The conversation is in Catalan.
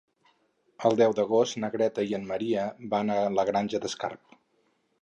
El deu d'agost na Greta i en Maria van a la Granja d'Escarp.